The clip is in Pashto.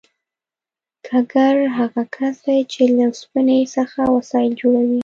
ګګر هغه کس دی چې له اوسپنې څخه وسایل جوړوي